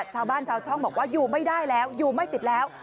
ชาวบ้านชาวช่องบอกว่าอยู่ไม่ได้แล้วอยู่ไม่ติดแล้ว